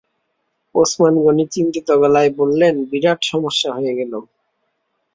ওসমান গনি চিন্তিত গলায় বললেন, বিরাট সমস্যা হয়ে গেল।